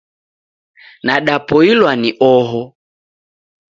Nadapoilwa ni oho